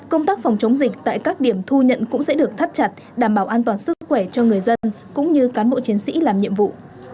công tác phòng chống dịch tại các điểm thu nhận cũng sẽ được thắt chặt đảm bảo an toàn sức khỏe cho người dân cũng như cán bộ chiến sĩ làm nhiệm vụ